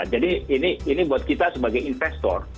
jadi ini buat kita sebagai investor